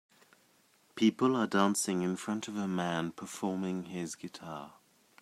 People are dancing in front of a man performing his guitar.